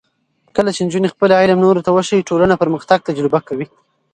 کله چې نجونې خپل علم نورو ته وښيي، ټولنه پرمختګ تجربه کوي.